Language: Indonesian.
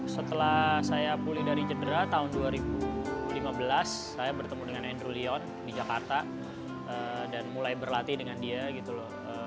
setelah saya pulih dari cedera tahun dua ribu lima belas saya bertemu dengan andrew leon di jakarta dan mulai berlatih dengan dia gitu loh